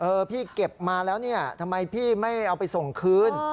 พี่เก็บมาแล้วเนี่ยทำไมพี่ไม่เอาไปส่งคืน